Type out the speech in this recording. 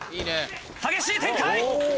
激しい展開。